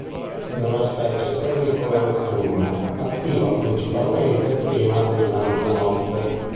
È una specie terricola e notturna, attiva principalmente prima della mezzanotte.